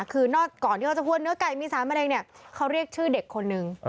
คือนอกก่อนที่เขาจะพ่นเนื้อไก่มีสารมะเร็งเนี่ยเขาเรียกชื่อเด็กคนนึง